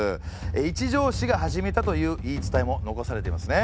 一条氏が始めたという言い伝えも残されていますね。